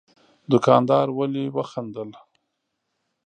دوکاندار ولي وخندل؟